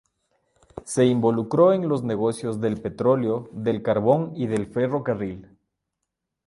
Se involucró en los negocios del petróleo, del carbón y del ferrocarril.